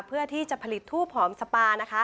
เพื่อที่จะผลิตทูบหอมสปานะคะ